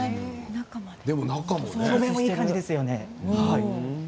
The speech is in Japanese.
中もいい感じですよね。